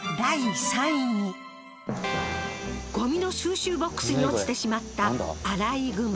ゴミの収集ボックスに落ちてしまったアライグマ。